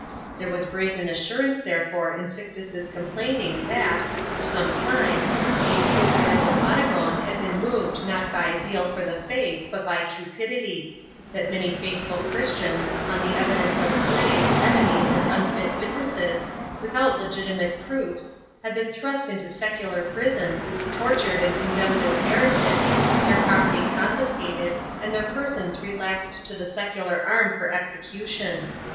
There was brazen assurance therefore in Sixtus's complaining that, for some time, the inquis itors of Aragon had been moved not by zeal for the faith but by cupidity ; that many faithful Christians, on the evidence of slaves, enemies and unfit witnesses, without legitimate proofs, had been thrust into secular prisons, tortured and condemned as heretics, their property confiscated and their persons relaxed to the secular arm for execution.